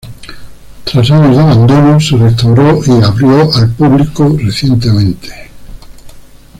Tras años de abandono, se restauró y abrió al público recientemente.